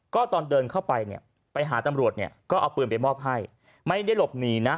ก็ตอนเดินเข้าไปเนี่ยไปหาตำรวจเนี่ยก็เอาปืนไปมอบให้ไม่ได้หลบหนีนะ